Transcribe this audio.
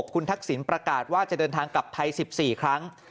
คุณทักษิณประกาศว่าจะเดินทางกลับไทย๑๔ครั้ง